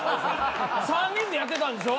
３人でやってたんでしょ？